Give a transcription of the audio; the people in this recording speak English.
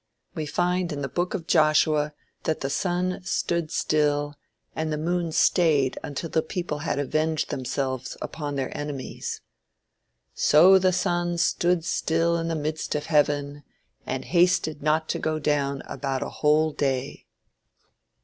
We find in the book of Joshua that the sun stood still, and the moon stayed until the people had avenged themselves upon their enemies. "So the sun stood still in the midst of heaven, and hasted not to go down about a whole day."